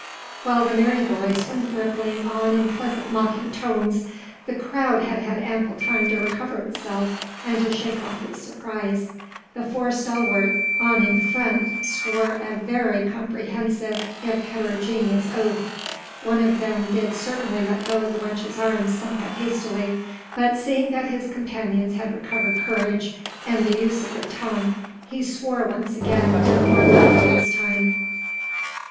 Whilst the merry voice went rippling on in pleasant mocking tones, the crowd had had ample time to recover itself and to shake off its surprise. The four stalwarts on in front swore a very comprehensive if heterogeneous oath. One of them did certainly let go the wench's arm somewhat hastily, but seeing that his companions had recovered courage and the use of their tongue, he swore once again and more loudly this time.